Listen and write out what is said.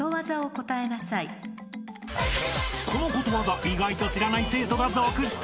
［このことわざ意外と知らない生徒が続出］